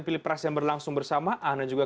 pilpres yang berlangsung bersamaan dan juga